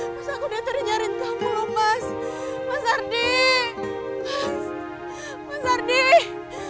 mas aku udah cari kamu loh mas mas ardi mas ardi mas